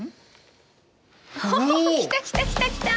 おお。来た来た来た来た。